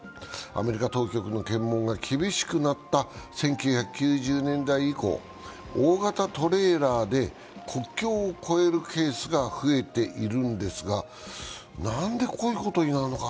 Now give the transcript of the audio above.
アメリカ当局の検問が厳しくなった１９９０年代以降、大型トレーラーで国境を越えるケースが増えているんですが、何でこういうことになるのか